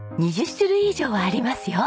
２０種類以上はありますよ。